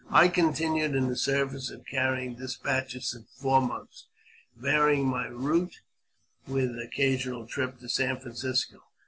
I continued in this service of carrying despatches some four months, varying my route with an occasional trip to San Francisco.